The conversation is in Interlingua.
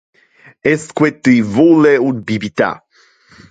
Esque tu vole un bibita?